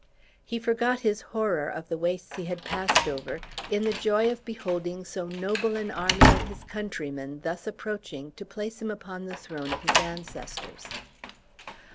He forgot his horror of the wastes he had passed over in the joy of beholding so noble an army of his countrymen thus approaching to place him upon the throne of his ancestors.